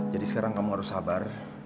jadi sekarang kamu harus sabar